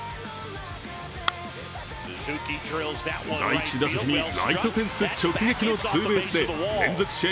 第１打席にライトフェンス直撃のツーベースで連続試合